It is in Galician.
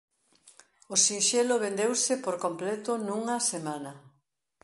O sinxelo vendeuse por completo nunha semana.